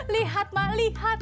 lihat mbak lihat